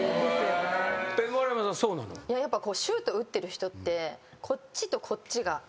やっぱシュート打ってる人ってこっちとこっちがたぶん同じです。